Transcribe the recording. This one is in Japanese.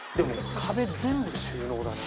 壁、全部収納だよ。